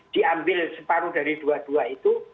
diambil separuh dari dua dua itu